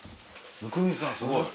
温水さんすごい。